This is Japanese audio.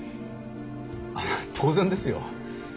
あっ当然ですよ。